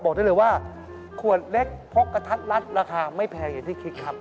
บอกได้เลยว่าขวดเล็กพกกระทัดรัดราคาไม่แพงอย่างที่คิดครับ